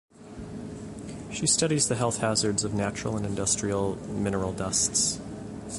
She studies the health hazards of natural and industrial mineral dusts.